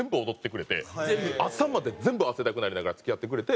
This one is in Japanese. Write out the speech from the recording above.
朝まで全部汗だくになりながら付き合ってくれて。